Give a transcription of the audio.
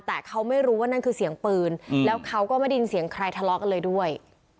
แต่เขาไม่รู้ว่านั่นคือเสียงปืนแล้วเขาก็ไม่ได้ยินเสียงใครทะเลาะกันเลยด้วย